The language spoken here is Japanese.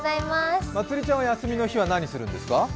まつりちゃんは休みの日は何するんですか。